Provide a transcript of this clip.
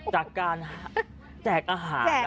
จากการแจกอาหาร